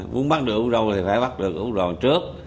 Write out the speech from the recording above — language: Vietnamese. muốn bắt được úc râu thì phải bắt được úc râu trước